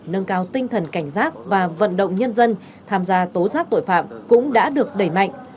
nâng cao tinh thần cảnh giác và vận động nhân dân tham gia tố giác tội phạm cũng đã được đẩy mạnh